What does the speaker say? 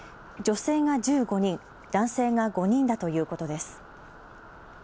女性が１５人、男性が５人だということです。